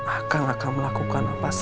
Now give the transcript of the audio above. akal akan melakukan apa saja